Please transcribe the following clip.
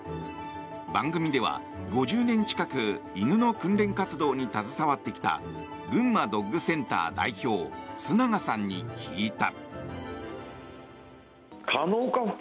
番組では、５０年近く犬の訓練活動に携わってきた群馬ドッグセンター代表須永さんに聞いた。